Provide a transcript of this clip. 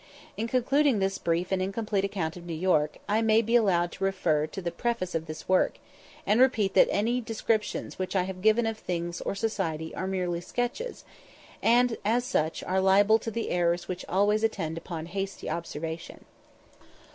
In concluding this brief and incomplete account of New York, I may be allowed to refer to the preface of this work, and repeat that any descriptions which I have given of things or society are merely "sketches," and, as such, are liable to the errors which always attend upon hasty observation.